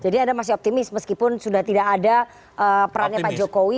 jadi anda masih optimis meskipun sudah tidak ada perannya pak jokowi